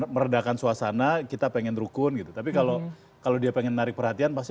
meredakan suasana kita pengen rukun gitu tapi kalau kalau dia pengen menarik perhatian pasti